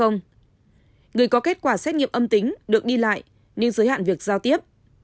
người có kết quả xét nghiệm âm tính được đi lại nhưng giới hạn việc giao tiếp